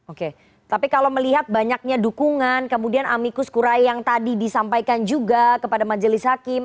oke tapi kalau melihat banyaknya dukungan kemudian amikus kurai yang tadi disampaikan juga kepada majelis hakim